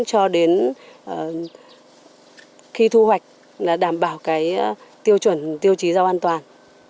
cho đến khi thu hoạch là đảm bảo tiêu chuẩn tiêu chí giao an toàn